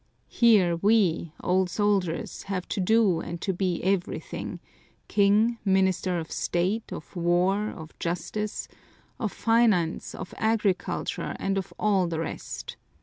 Here we, old soldiers, have to do and to be everything: King, Minister of State, of War, of Justice, of Finance, of Agriculture, and of all the rest.